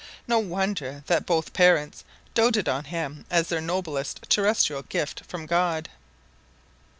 No wonder that both parents doted on him as their noblest terrestrial gift from God.